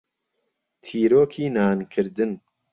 تیرۆکی نانکردن.